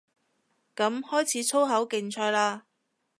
噉開始粗口競賽嘞